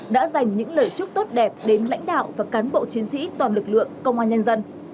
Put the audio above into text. đã dành những lời chúc tốt đẹp đến lãnh đạo và cán bộ chiến sĩ toàn lực lượng công an nhân dân